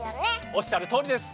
おっしゃるとおりです。